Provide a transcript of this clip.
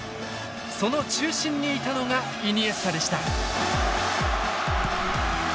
その中心にいたのがイニエスタでした。